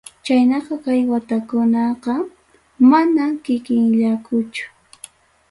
Chaynaqa kay watakunaqa manam kikinllakuchu.